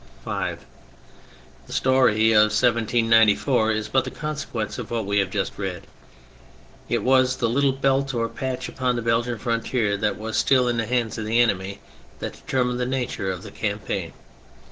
FIVE The story of 1794 is but the consequence of what we have just read. It was the little belt or patch upon the Belgian frontier which was still in the hands of the enemy that determined the nature of the campaign.